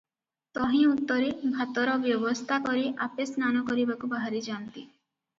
ତହିଁ ଉତ୍ତରେ ଭାତରବ୍ୟବସ୍ଥା କରି ଆପେ ସ୍ନାନ କରିବାକୁ ବାହାରିଯାନ୍ତି ।